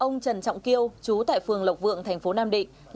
ông trần trọng kiêu trú tại phường lộc vượng tp nam định